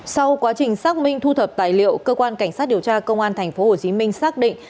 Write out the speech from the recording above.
sau quá trình xác minh thu thập tài liệu cơ quan cảnh sát điều tra công an tp hcm xác định